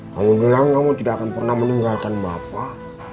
kamu bilang kamu tidak akan pernah meninggalkan bapak